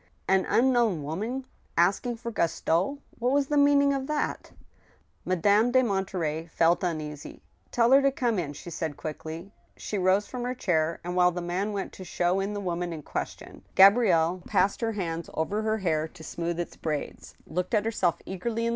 An unknown woman asking for Gaston I What was the mean ing of that ? Madame de Monterey felt uneasy. " Tell her to come in," she said, quickly. She rose from her chair, and, while the man went to show in the woman in question, THE TWO WIVES. 133 Gabrielle passed her hands over her hair to smooth its braids, looked at herself eagerly in.